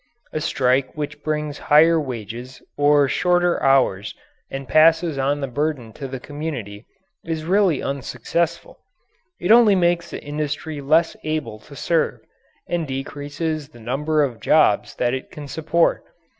A strike which brings higher wages or shorter hours and passes on the burden to the community is really unsuccessful. It only makes the industry less able to serve and decreases the number of jobs that it can support.